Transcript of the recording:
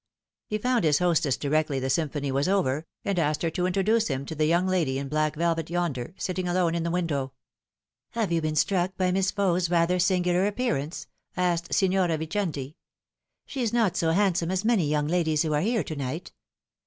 He found his hostess directly the symphony was over, and asked her to introduce him to the young lady in black velvet yonder, sitting alone in the window. " Have you been struck by Miss Faux's rather singular appearance ?" asked Signora Vicenti. " She is not so handsome as many young ladies who are here to night."